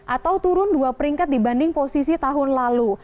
atau turun dua peringkat dibanding posisi tahun lalu